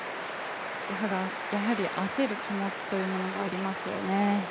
やはり焦る気持ちというのがありますよね。